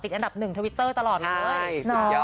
ติดอันดับหนึ่งทวิตเตอร์ตลอดเลย